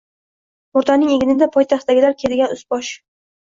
Murdaning egnida poytaxtdagilar kiyadigan ust bosh.